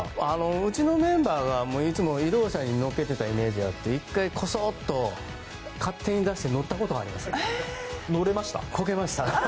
うちのメンバーがいつも移動車に乗っけてたイメージがあって１回、こそっと勝手に出して乗れました？